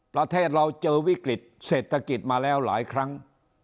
ประเทศเราเจอวิกฤตเศรษฐกิจมาแล้วหลายครั้ง